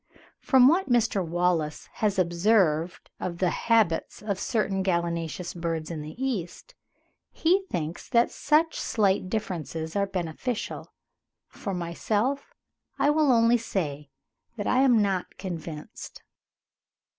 From what Mr. Wallace has observed of the habits of certain gallinaceous birds in the East, he thinks that such slight differences are beneficial. For myself, I will only say that I am not convinced.